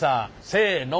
せの。